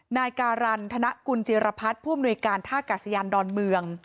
นายการันธนกุลจิรพัฒน์ผู้อำนวยการท่ากาศยานดอนเมือง